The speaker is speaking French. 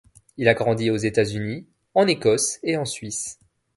Il a grandi aux États-Unis, en Écosse et en Suisse.